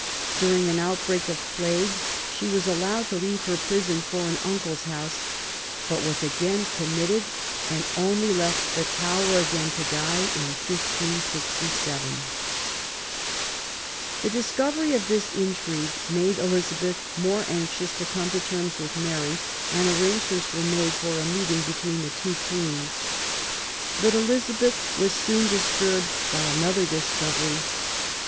During an outbreak of plague she was allowed to leave her prison for an uncle's house, but was again committed and only left the Tower again to die in 1567. 74 QUEEN ELIZABETH, The discovery of this intrigue ' made Elizabeth more anxious to come to terms with Mary, and arrangements were made for a meeting between the two Queens. But Elizabeth was soon disturbed by another discovery.